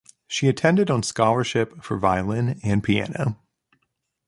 She attended on scholarship for violin and piano.